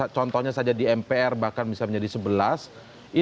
contohnya saja di mpr bahkan bisa menjadi sebelas